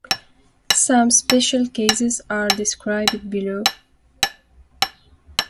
Some special cases are described below.